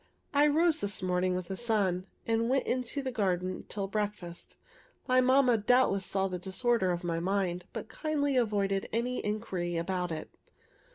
I rose this morning with the sun, and went into the garden till breakfast. My mamma doubtless saw the disorder of my mind, but kindly avoided any inquiry about it.